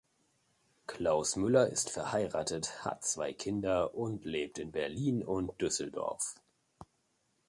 Klaus Müller ist verheiratet, hat zwei Kinder und lebt in Berlin und Düsseldorf.